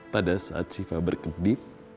pada saat shiva berkedip